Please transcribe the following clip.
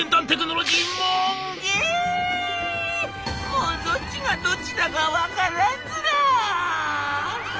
「もうどっちがどっちだか分からんずら！」。